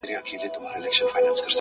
د خاموش پرمختګ اغېز تل پاتې وي!